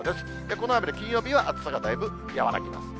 この雨で、金曜日は暑さがだいぶ和らぎます。